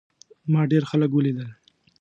ما ډېر خلک ولیدل.